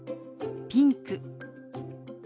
「ピンク」。